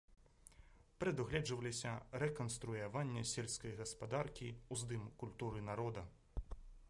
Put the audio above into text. Прадугледжваліся рэканструяванне сельскай гаспадаркі, уздым культуры народа.